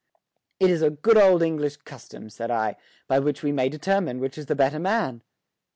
"It is a good old English custom," said I, "by which we may determine which is the better man."